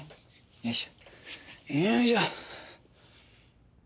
よいしょ。